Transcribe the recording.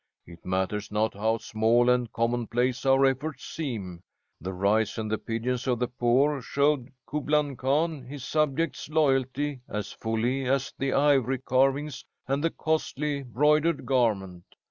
It matters not how small and commonplace our efforts seem, the rice and the pigeons of the poor showed Kublan Kahn his subjects' loyalty as fully as the ivory carvings and the costly broidered garment.